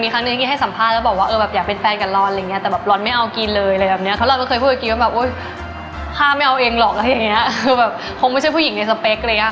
คือแบบคงไม่ใช่ผู้หญิงในสเปคเลยค่ะ